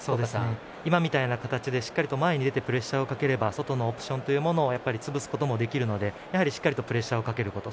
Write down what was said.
今みたいな形でしっかり前に出てプレッシャーをかければ外のオプションを潰すこともできるのでしっかりとプレッシャーをかけること。